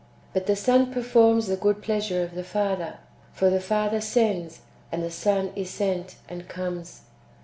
But the Son performs the good pleasure of the Father ; for the Father sends, and the Son is sent, and comes.